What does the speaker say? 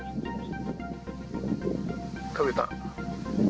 食べた。